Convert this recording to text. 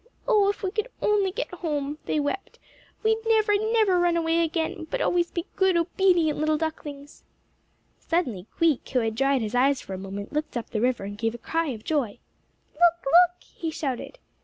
"Oh, if we could only get home," they wept, "we'd never, never run away again, but always be good obedient little ducklings." Suddenly Queek, who had dried his eyes for a moment, looked up the river and gave a cry of joy. "Look! Look!" he shouted.